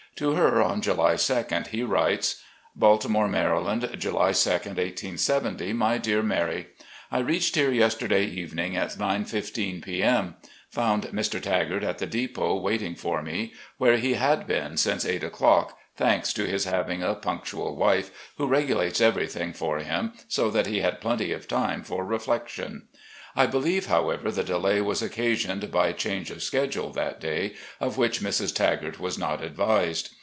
To her, on July 2d, he writes: "Baltimore, Maryland, July 2, 1870. "My Dear Mary: I reached here yesterday evening at 9:15 p. M. Found Mr. Tagart at the depot waiting for 41a A ROUND OF VISITS 413 me, where he had been since eight o'clock, thanks to his having a punctual wife, who regulates ever3rthing for him, so that he had plenty of time for reflection. I believe, however, the delay was occasioned by change of schedule that day, of which Mrs. Tagart was not advised.